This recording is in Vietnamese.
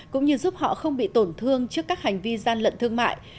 cũng như giúp họ không bị tổn thương trước các hành vi gian lận thương mại